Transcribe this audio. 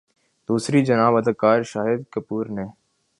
دوسری جانب اداکار شاہد کپور نے